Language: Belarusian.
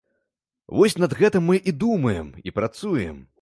Вось над гэтым мы і думаем, і працуем.